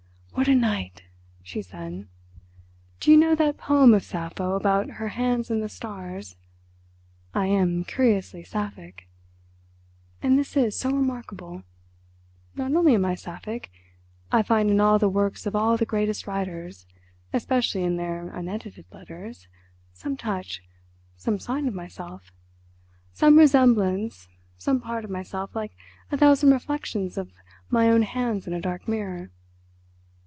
"What a night!" she said. "Do you know that poem of Sappho about her hands in the stars.... I am curiously sapphic. And this is so remarkable—not only am I sapphic, I find in all the works of all the greatest writers, especially in their unedited letters, some touch, some sign of myself—some resemblance, some part of myself, like a thousand reflections of my own hands in a dark mirror."